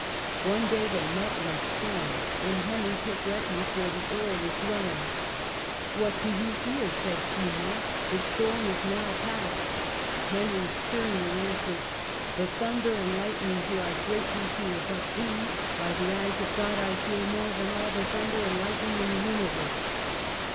One day they met in a storm, when Henry took refuge where the earl was dwelling. " What do you fear?" said Simon; "the storm is now passed." Henry sternly answered, "The thunder and lightning do I greatly fear; but thee, by the eyes of God, I fear more than all the thunder and lightning in the universe